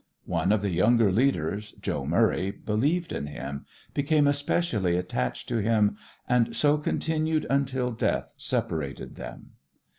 One of the younger leaders, "Joe" Murray, believed in him, became especially attached to him, and so continued until death separated them.